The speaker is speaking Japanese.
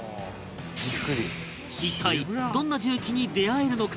一体どんな重機に出会えるのか？